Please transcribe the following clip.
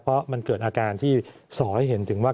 เพราะมันเกิดอาการที่สอให้เห็นถึงว่า